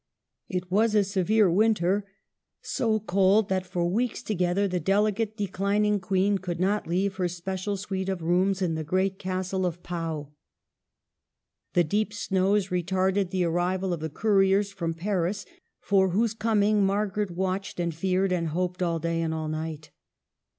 It was a severe winter ; so cold, that for weeks together the delicate, declining Queen could not leave her special suite of rooms in the great castle of Pau. The deep snows retarded the arrival of the couriers from Paris, for whose coming Margaret watched and feared and hoped all day and all night.